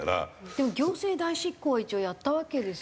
でも行政代執行は一応やったわけですよね。